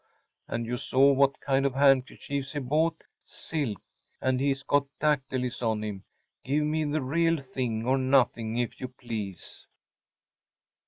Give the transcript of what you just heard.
And you saw what kind of handkerchiefs he bought‚ÄĒsilk! And he’s got dactylis on him. Give me the real thing or nothing, if you please.